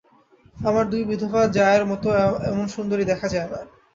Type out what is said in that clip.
আমার দুই বিধবা জায়ের মতো এমন সুন্দরী দেখা যায় না।